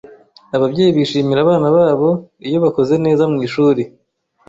Ababyeyi bishimira abana babo iyo bakoze neza mwishuri.